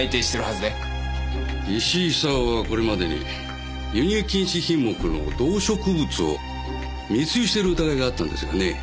石井久雄はこれまでに輸入禁止品目の動植物を密輸してる疑いがあったんですがね。